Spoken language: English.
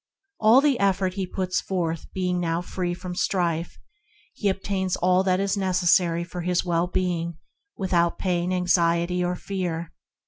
All the efforts he put forth being now free from strife, he obtains all that is necessary for his well being, without pain, anxiety, or fear.